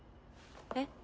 えっ？